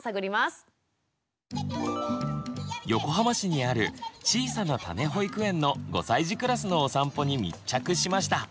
横浜市にあるちいさなたね保育園の５歳児クラスのお散歩に密着しました。